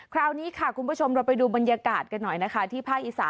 คราวนี้ค่ะคุณผู้ชมเราไปดูบรรยากาศกันหน่อยนะคะ